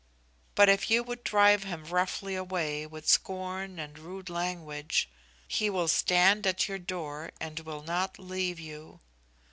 But if you would drive him roughly away with scorn and rude language, he will stand at your door and will not leave you.